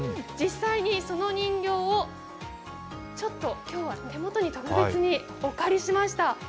実際にその人形を、ちょっと今日は手元に特別にお借りしました。